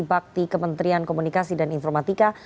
bakti kementerian komunikasi dan informatika